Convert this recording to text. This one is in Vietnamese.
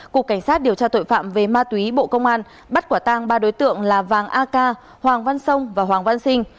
cục cảnh sát điều tra tội phạm về ma túy bộ công an bắt quả tang ba đối tượng là vàng a ca hoàng văn sông và hoàng văn sinh